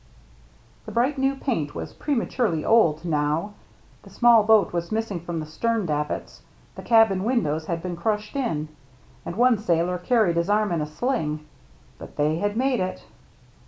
The bright new paint was prematurely old now, the small boat was missing from the stern davits, the cabin windows had been crushed in, and one sailor carried his arm in a sling, but they had made it.